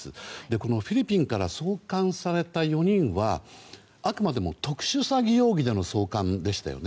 このフィリピンから送還された４人はあくまでも特殊詐欺容疑での送還でしたよね。